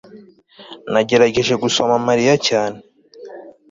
nagerageje gusoma mariya cyane